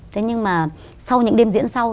thế nhưng mà sau những đêm diễn sau